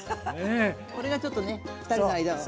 これがちょっとねふたりの間を。